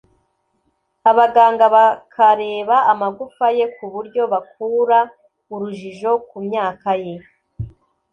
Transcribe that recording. abaganga bakareba amagufa ye ku buryo bakura urujijo ku myaka ye